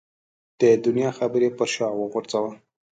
د دنیا خبرې پر شا وغورځوه.